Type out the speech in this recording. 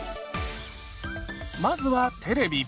まずはテレビ。